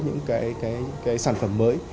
những cái sản phẩm mới